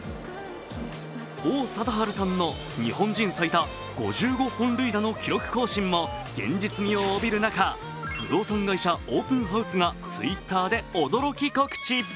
王貞治さんの日本人最多５５本塁打の記録更新も現実味を帯びる中不動産会社・オープンハウスがＴｗｉｔｔｅｒで驚き告知。